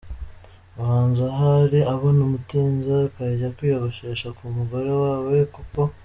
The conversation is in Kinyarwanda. ubanza ahari abona umutinza akajya kwiyogoshesha ku mugore wawe kuko.